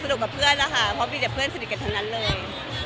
กับเพื่อนนะคะเพราะมีแต่เพื่อนสนิทกันทั้งนั้นเลย